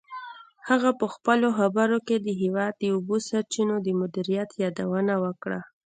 هغه په خپلو خبرو کې د هېواد د اوبو سرچینو د مدیریت یادونه وکړه.